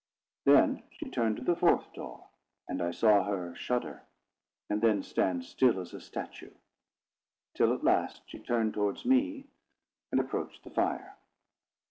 Then she turned to the fourth door, and I saw her shudder, and then stand still as a statue; till at last she turned towards me and approached the fire.